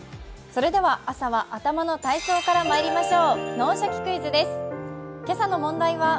朝は頭の体操からまいりましょう。